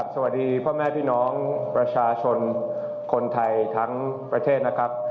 สวัสดีพ่อแม่พี่น้องประชาชนคนไทยทั้งประเทศนะครับ